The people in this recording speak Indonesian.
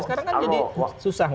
sekarang kan jadi susah